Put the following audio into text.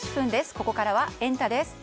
ここからはエンタ！です。